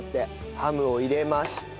ハムを入れまして。